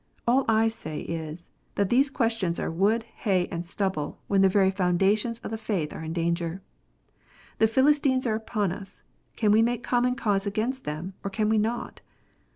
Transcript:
All I say is, that these questions are wood, hay, and stubble, when the very foundations of the faith are in danger. The Philistines are upon us. Can we make common cause against them, or can we not